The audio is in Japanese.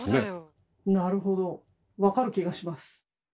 なるほど分かる気がします。